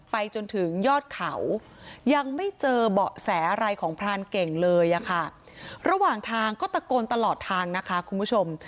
ไปจนถึงยอดเขายังไม่เจอเบาะแสอะไรของพรานเก่งเลยอะค่ะระหว่างทางก็ตะโกนตลอดทางนะคะคุณผู้ชม